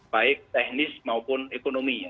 baik teknis maupun ekonomi